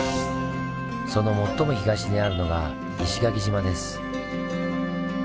その最も東にあるのが石垣島です。